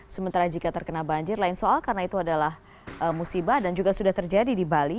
sementara jika terkena banjir lain soal karena itu adalah musibah dan juga sudah terjadi di bali